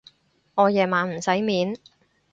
我夜晚唔使面